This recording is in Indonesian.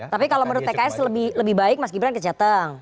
tapi kalau menurut pks lebih baik mas gibran ke jateng